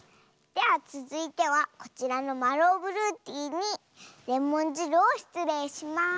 ではつづいてはこちらのマローブルーティーにレモンじるをしつれいします。